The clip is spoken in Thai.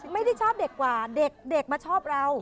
ไม่ได้ชอบเด็กกว่าเด็กมาชอบเรา